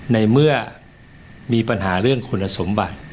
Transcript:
ในเมื่อมีปัญหาเรื่องคุณสมบัติ